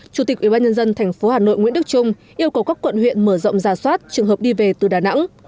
chủ tịch ủy ban nhân dân thành phố hà nội nguyễn đức trung yêu cầu các quận huyện mở rộng ra soát trường hợp đi về từ đà nẵng